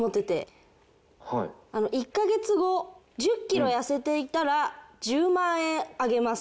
１カ月後１０キロ痩せていたら１０万円あげます。